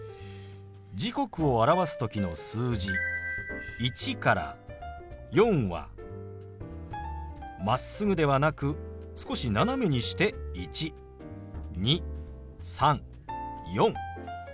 時刻を表す時の数字１から４はまっすぐではなく少し斜めにして１２３４。